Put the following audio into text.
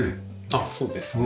あっそうですね。